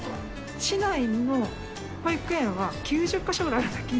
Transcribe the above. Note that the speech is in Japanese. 市内の保育園は９０か所ぐらいあるんだっけ？